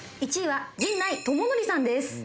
１位は陣内智則さんです。